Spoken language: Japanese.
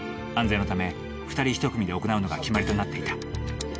安全のため二人一組で行うのが決まりとなっていた。